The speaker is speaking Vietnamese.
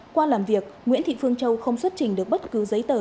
qua làm việc nguyễn thị phương châu không xuất trình được bất cứ giấy tờ